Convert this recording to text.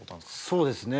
そうですね。